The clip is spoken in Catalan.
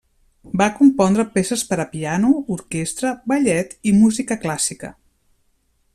Va compondre peces per a piano, orquestra, ballet i música clàssica.